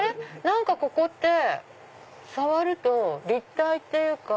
何かここって触ると立体っていうか。